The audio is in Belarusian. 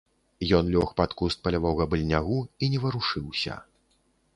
Ён лёг пад куст палявога быльнягу і не варушыўся.